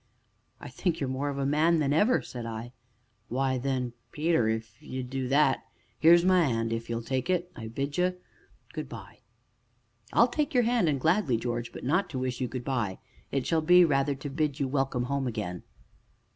"I think you more of a man than ever," said I. "Why, then, Peter if ye do think that, here's my hand if ye'll tak' it, an' I bid ye good by!" "I'll take your hand and gladly, George, but not to wish you good by it shall be, rather, to bid you welcome home again."